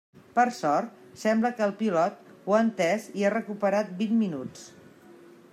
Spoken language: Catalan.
Per sort sembla que el pilot ho ha entès i ha recuperat vint minuts.